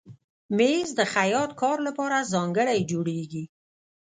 مېز د خیاط کار لپاره ځانګړی جوړېږي.